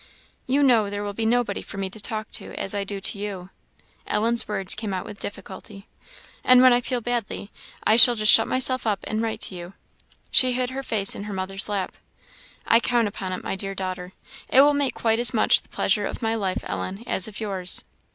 You know there will be nobody for me to talk to as I do to you" (Ellen's words came out with difficulty); "and when I feel badly, I shall just shut myself up and write to you." She hid her face in her mother's lap. "I count upon it, my dear daughter; it will make quite as much the pleasure of my life, Ellen, as of yours."